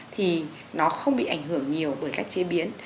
thì nó không bị ảnh hưởng nhiều bởi cách chế biến